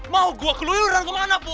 mau gue keluyuran kemana pun